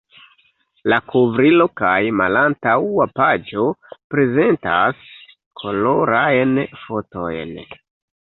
La kovrilo kaj malantaŭa paĝo prezentas kolorajn fotojn.